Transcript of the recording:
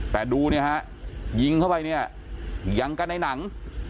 แต่ดูเนี่ยฮะยิงเข้าไปเนี่ยยังกันในหนัง